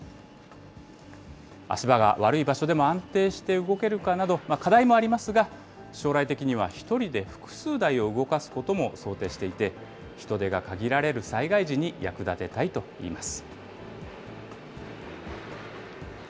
足場が悪い場所でも安定して動けるかなど、課題もありますが、将来的には１人で複数台を動かすことも想定していて、人手が限られる災害時に役立てたいといいます。